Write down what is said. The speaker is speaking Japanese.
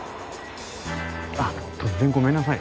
あっ突然ごめんなさい。